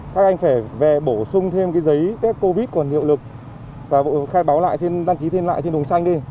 các anh phải về bổ sung thêm giấy phép covid còn hiệu lực và khai báo lại đăng ký thêm lại trên đường xanh đi